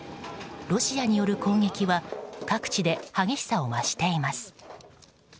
ロシアによる攻撃は各地で激しさを増しています。